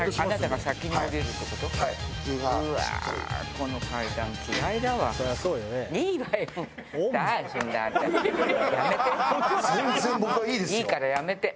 いいからやめて。